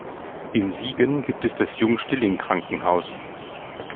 In Siegen gibt es das Jung-Stilling-Krankenhaus.